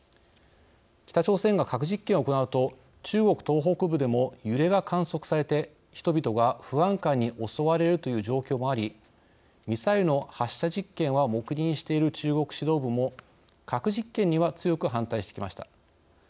北朝鮮が核実験を行うと中国東北部でも揺れが観測されて人々が不安感に襲われるという状況もありミサイルの発射実験は黙認している中国指導部も核実験には強く反対してきました。